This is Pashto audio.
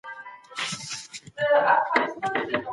احمد شاه ابدالي څنګه د سیاسي اړیکو پراختیا وکړه؟